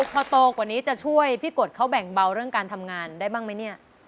พอโตกว่านี้จะช่วยพี่กฎเขาแบ่งเบาเรื่องการทำงานได้บ้างไหมเนี่ย